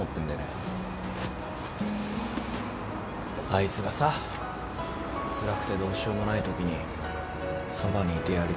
あいつがさつらくてどうしようもないときにそばにいてやりたいから。